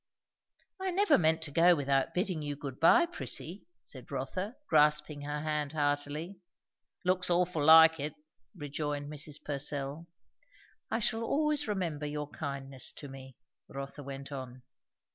"I never meant to go without bidding you good bye, Prissy," said Rotha, grasping her hand heartily, "Looks awful like it " rejoined Mrs. Purcell. "I shall always remember your kindness to me," Rotha went on.